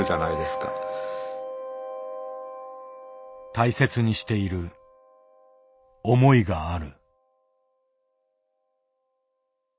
大切にしている思いがある。